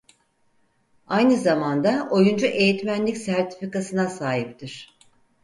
Aynı zamanda oyuncu eğitmenlik sertifikasına sahiptir.